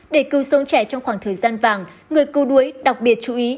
để cứu sống trẻ trong khoảng thời gian vàng người cưu đuối đặc biệt chú ý